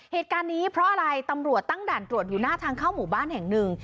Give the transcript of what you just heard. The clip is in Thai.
เหตุการณ์นี้เพราะอะไรตำรวจตั้งด่านตรวจอยู่หน้าทางเข้าหมู่บ้านแห่งหนึ่ง